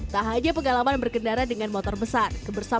tak hanya pengalaman berkendara dengan motor besar